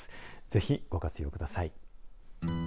ぜひご活用ください。